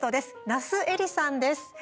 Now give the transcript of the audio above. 那須映里さんです。